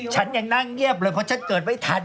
ฉันยังนั่งเงียบเลยเพราะฉันเกิดไม่ทัน